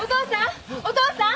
お父さん。